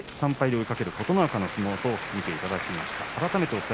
３敗で追いかける琴ノ若の相撲を見ていただきました。